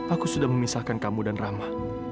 aku sudah memisahkan kamu dan rama